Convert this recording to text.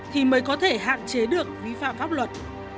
thì mới có thể hạn chế được vi phạm pháp luật